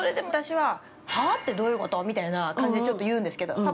私は、はぁってどういうこと！みたいな感じで、ちょっと言うんですけど。